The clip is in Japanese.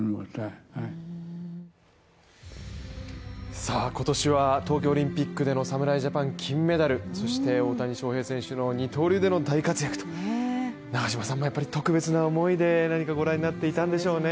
さあ今年は東京オリンピックでの侍ジャパン金メダル、そして大谷翔平選手の二刀流での大活躍と長嶋さんもやっぱり特別な思いでご覧になっていたんでしょうね